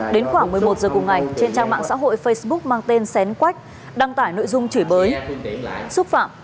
đến khoảng một mươi một giờ cùng ngày trên trang mạng xã hội facebook mang tên xén quách đăng tải nội dung chửi bới xúc phạm